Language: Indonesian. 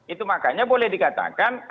itu makanya boleh dikatakan